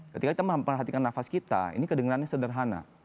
ketika kita memperhatikan nafas kita ini kedengerannya sederhana